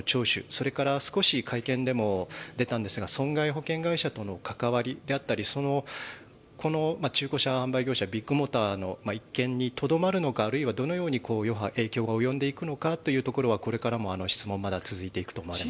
それから少し会見でも出たんですが損害保険会社との関わりだったりこの中古車販売業者ビッグモーターの一件にとどまるのかあるいはどのように余波影響が及んでいくのかはこれからも質問がまだ続いていくと思います。